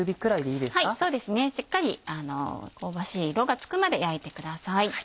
そうですねしっかり香ばしい色がつくまで焼いてください。